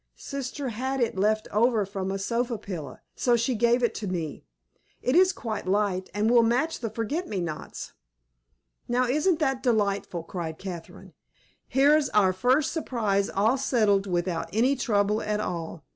"Sister had it left over from a sofa pillow, so she gave it to me. It is quite light, and will match the forget me nots." "Now, isn't that delightful!" cried Catherine. "Here's our first surprise all settled without any trouble at all.